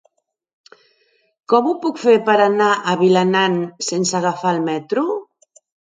Com ho puc fer per anar a Vilanant sense agafar el metro?